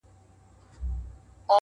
علم د عقل او شعور بنسټ دی